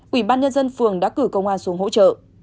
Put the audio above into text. ủy ban nhân dân phường đã cử công an xuống hỗ trợ